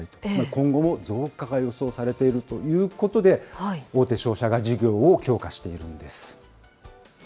今後も増加が予想されているということで、大手商社が事業を強化しているんです。